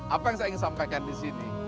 apa yang saya ingin sampaikan di sini